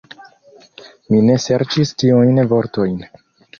Mi ne serĉis tiujn vortojn.